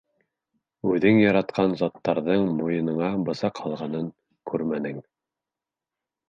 Үҙең яратҡан заттарҙың муйыныңа бысаҡ һалғанын күрмәнең.